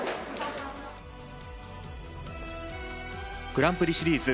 グランプリシリーズ